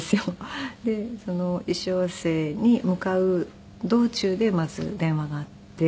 でその衣装合わせに向かう道中でまず電話があって。